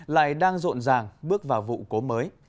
lại đang rộn ràng bước vào vụ cốm mới